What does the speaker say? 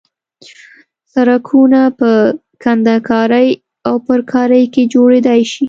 سرکونه په کندنکارۍ او پرکارۍ کې جوړېدای شي